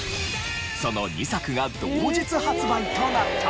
その２作が同日発売となった。